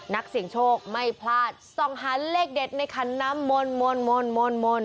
นักเสี่ยงโชคไม่พลาดส่องหาเลขเด็ดในขันน้ำมนต์